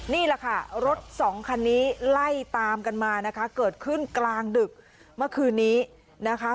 นี่แหละค่ะรถสองคันนี้ไล่ตามกันมานะคะเกิดขึ้นกลางดึกเมื่อคืนนี้นะคะ